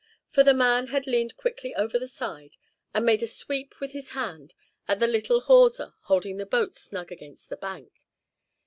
For the man had leaned quickly over the side, and made a sweep with his hand at the little hawser holding the boat snug against the bank.